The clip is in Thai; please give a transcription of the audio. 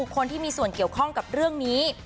คนที่มีส่วนเกี่ยวข้องกับเรื่องนี้